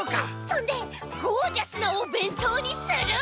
そんでゴージャスなおべんとうにする！